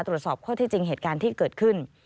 ตรวจสอบข้อที่จริงเหตุการณ์ที่เกิดขึ้น